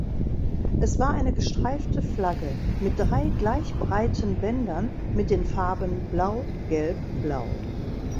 Es war eine gestreifte Flagge mit drei gleich breiten Bändern, mit den Farben Blau-Gelb-Blau.